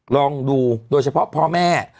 ลองดูโดยเฉพาะพ่อแม่